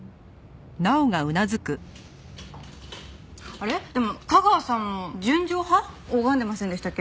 あれでも架川さんも『純情派』拝んでませんでしたっけ？